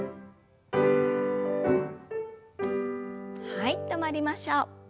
はい止まりましょう。